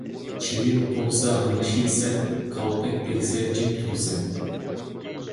چىۋىن قونسا غىڭشىيسەن، كالتەك تەگسە جىم تۇرىسەن